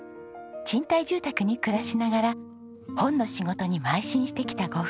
賃貸住宅に暮らしながら本の仕事に邁進してきたご夫婦。